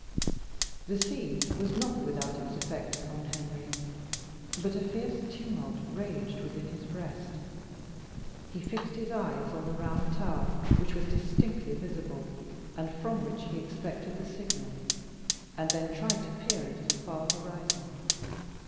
The scene was not without its effect upon Henry; but a fierce tumult raged within his breast. He fixed his eyes on the Round Tower, which was distinctly visible, and from which he expected the signal, and then tried to peer into the far horizon.